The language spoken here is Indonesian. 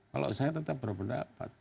kalau saya tetap berpendapat